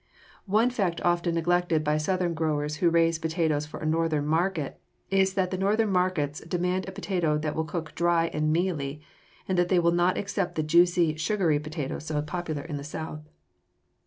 One fact often neglected by Southern growers who raise potatoes for a Northern market is that the Northern markets demand a potato that will cook dry and mealy, and that they will not accept the juicy, sugary potato so popular in the South.